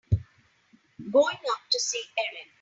Going up to see Erin.